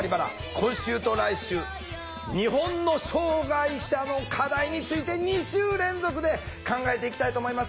今週と来週日本の障害者の課題について２週連続で考えていきたいと思います。